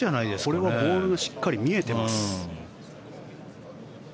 これはボールがしっかり見えています。